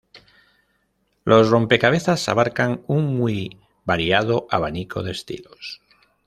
Los rompecabezas abarcan un muy variado abanico de estilos.